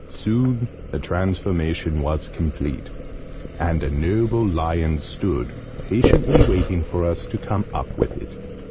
Soon the transformation was complete: and a noble lion stood patiently waiting for us to come up with it.